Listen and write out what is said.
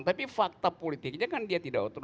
tapi fakta politiknya kan dia tidak otono